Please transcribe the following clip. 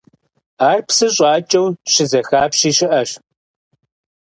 Ар псы щӀакӀэу щызэхапщи щыӀэщ.